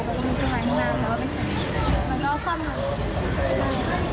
ตัวเล็กไม่อยากให้ชวมต้นไม้